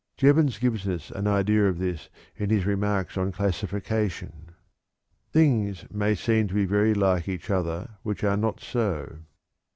Jevons gives us an idea of this in his remarks on classification: "Things may seem to be very much like each other which are not so.